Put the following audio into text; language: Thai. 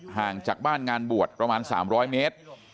ห่างจากบ้านงานบวชประมาณ๓๐๐เมตร